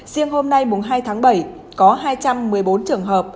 riêng hôm nay hai tháng bảy có hai trăm một mươi bốn trường hợp